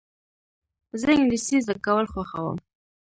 زه انګلېسي زده کول خوښوم.